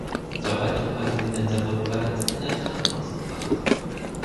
Zwei weitere Palästinenser wurden verletzt in ein Krankenhaus gebracht.